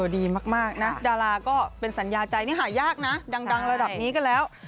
ดีมากนะดาราก็เป็นสัญญาใจนี่หายากนะดังระดับนี้ก็แล้ว